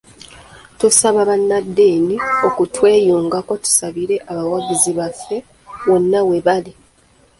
Tusaba bannaddiini okutweyungako tusabire abawagizi baffe wonna webali.